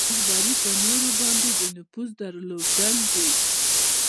رهبري په نورو باندې د نفوذ درلودل دي.